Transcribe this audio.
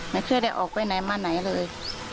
ไม่ค่อยได้ออกไปไหนมาไหนเลย